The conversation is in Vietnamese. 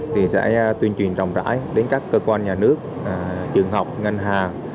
thì sẽ tuyên truyền rộng rãi đến các cơ quan nhà nước trường học ngân hàng